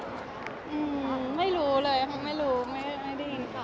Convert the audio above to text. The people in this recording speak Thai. อืมไม่รู้เลยไม่ได้ยินคำ